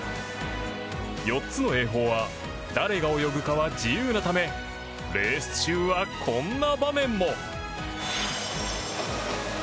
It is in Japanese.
４つの泳法は誰が泳ぐかは自由なためレース中は、こんな場面も。